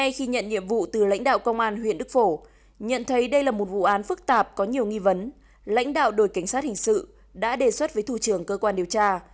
ngay khi nhận nhiệm vụ từ lãnh đạo công an huyện đức phổ nhận thấy đây là một vụ án phức tạp có nhiều nghi vấn lãnh đạo đội cảnh sát hình sự đã đề xuất với thủ trưởng cơ quan điều tra